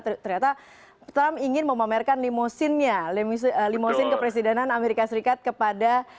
ternyata trump ingin memamerkan limosinnya limosin kepresidenan amerika serikat kepada